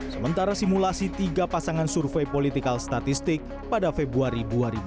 sementara simulasi tiga pasangan survei politikal statistik pada februari dua ribu dua puluh